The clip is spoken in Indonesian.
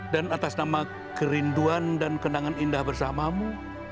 dan atas nama kerinduan dan kenangan indah bersamamu